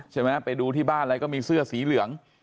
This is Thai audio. ไปดูที่บ้านอะไรก็มีเสื้อสีเหลือง